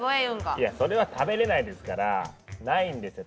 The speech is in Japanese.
いやそれは食べれないですからないんですよ